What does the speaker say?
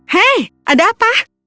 hei ada apa